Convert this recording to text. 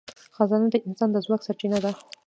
خزانه د انسان د ځواک سرچینه ده.